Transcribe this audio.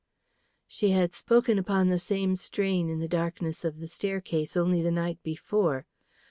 She had spoken upon the same strain in the darkness of the staircase only the night before.